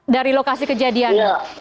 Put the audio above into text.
dari lokasi kejadian